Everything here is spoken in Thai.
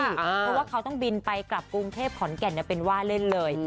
เพราะว่าเขาต้องบินไปกลับกรุงเทพขอนแก่นเป็นว่าเล่นเลย